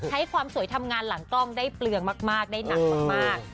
ให้ความสวยทำงานหลังกล้องได้เปลืองมากได้หนักมาก